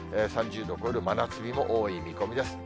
３０度を超える真夏日も多い見込みです。